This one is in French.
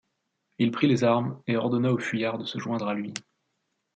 Il prit les armes et ordonna aux fuyards de se joindre à lui.